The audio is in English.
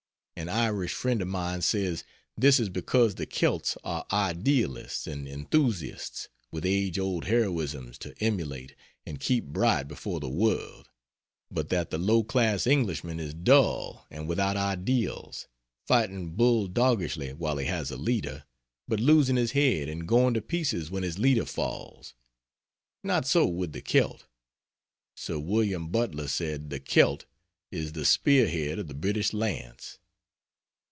An Irish friend of mine says this is because the Kelts are idealists, and enthusiasts, with age old heroisms to emulate and keep bright before the world; but that the low class Englishman is dull and without ideals, fighting bull doggishly while he has a leader, but losing his head and going to pieces when his leader falls not so with the Kelt. Sir Wm. Butler said "the Kelt is the spear head of the British lance."